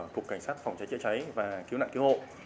cục cảnh sát phòng cháy chữa cháy và cứu nạn cứu hộ